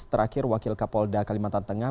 terakhir wakil kapolda kalimantan tengah